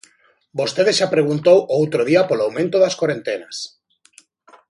Vostede xa preguntou o outro día polo aumento das corentenas.